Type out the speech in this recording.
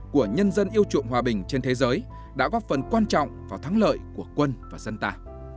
của nhân dân yêu chuộng hòa bình trên thế giới đã góp phần quan trọng vào thắng lợi của quân và dân ta